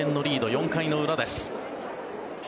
４回の裏です。